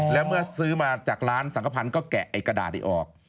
แล้วเมื่อซื้อมาจากร้านสังขพันธ์ก็แกะไอ้กระดาษนี้ออก